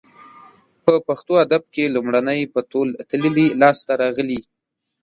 په پښتو ادب کې لومړنۍ په تول تللې لاسته راغلې